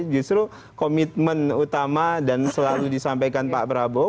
justru komitmen utama dan selalu disampaikan pak prabowo